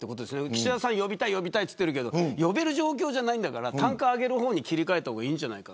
岸田さんは呼びたいと言ってるけど呼べる状況じゃないから単価を上げる方に切り替えた方がいいんじゃないか。